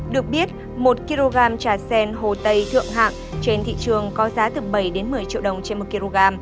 được biết một kg trà sen hồ tây thượng hạng trên thị trường có giá từ bảy một mươi triệu đồng trên một kg